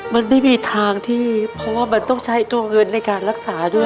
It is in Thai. มันไม่มีทางที่เพราะว่ามันต้องใช้ตัวเงินในการรักษาด้วย